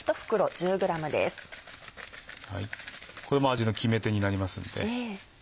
これも味の決め手になりますので。